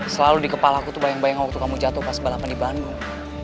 selalu di kepala aku tuh bayang bayang waktu kamu jatuh pas balapan di bandung